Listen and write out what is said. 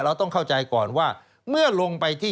สวัสดีค่ะต้อนรับคุณบุษฎี